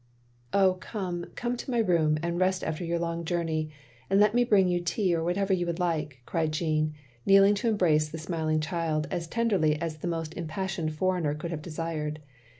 " Oh, come, come to my room and rest after your long jotimey, and let me bring you tea or whatever you would like, " cried Jeaune, kneeling to embrace the smiling child as tenderly as the most impassioned foreigner could have desired.